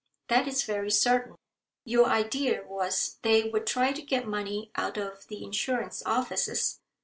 That is very certain. Your idea was they would try to get money out of the Insurance Offices.